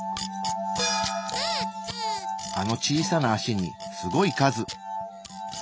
あの小さな足にすごい数！